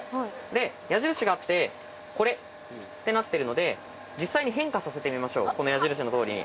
で矢印があってこれってなってるので実際に変化させてみましょうこの矢印の通りに。